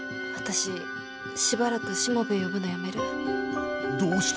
私しばらくしもべえ呼ぶのやめる。